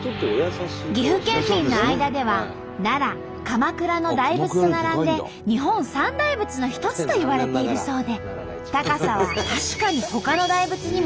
岐阜県民の間では奈良鎌倉の大仏と並んで日本三大仏の一つといわれているそうで高さは確かにほかの大仏にも引けを取りません！